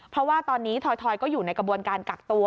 เพราะว่าตอนนี้ทอยก็อยู่ในกระบวนการกักตัว